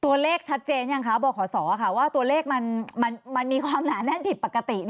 ตัวเลขชัดเจนยังคะบขศว่าตัวเลขมันมีความหนาแน่นผิดปกติ